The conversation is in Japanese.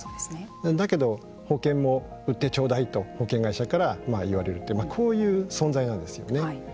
だけど保険も売ってちょうだいと保険会社から言われるこういう存在なんですよね。